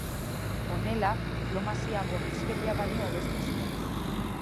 Honela, diplomazia bortizkeria baino hobesten zuen.